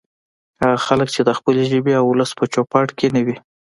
هغه خلک چې د خپلې ژبې او ولس په چوپړ کې نه وي